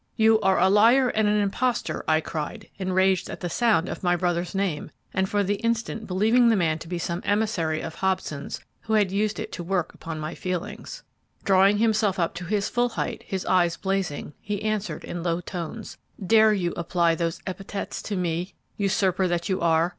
"'You are a liar and an impostor!' I cried, enraged at the sound of my brother's name, and for the instant believing the man to be some emissary of Hobson's who had used it to work upon my feelings. "Drawing himself up to his full height, his eyes blazing, he answered in low tones, 'Dare you apply those epithets to me, usurper that you are?